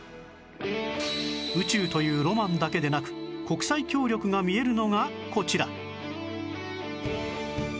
宇宙というロマンだけでなく国際協力が見えるのがこちら